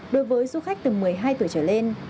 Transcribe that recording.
đối với du khách từ một mươi hai tuổi trở lên